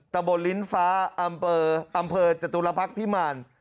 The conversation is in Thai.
ตะบนลิ้นฟ้าอำเภอจตุลพักษ์พิมาร